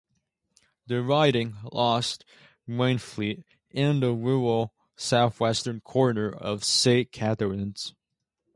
The riding lost Wainfleet and the rural southwestern corner of Saint Catharines.